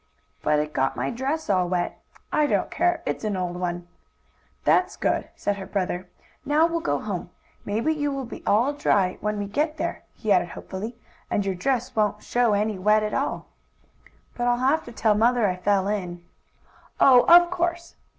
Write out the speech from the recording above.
"But it got my dress all wet. I don't care, it's an old one." "That's good," said her brother. "Now we'll go home. Maybe you will be all dry when we get there," he added hopefully, "and your dress won't show any wet at all." "But I'll have to tell mother I fell in." "Oh, of course!"